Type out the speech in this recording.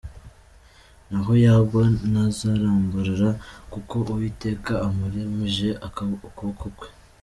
Naho yagwa ntazarambarara, Kuko Uwiteka amuramije ukuboko kwe.